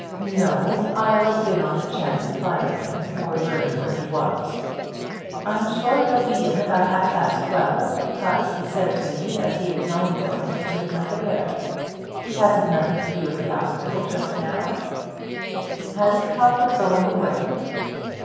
'No; I looked in on the chance of finding him, or learning where he was.' 'I'm sure he'll be in about half past twelve, 'cause he said to me as he was only goin' to get a breath of air. He hasn't nothing to do at the 'ospital just now.' 'Has he talked of going away?'